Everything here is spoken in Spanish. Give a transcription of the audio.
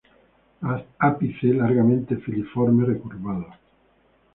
Ápice largamente filiforme, recurvado.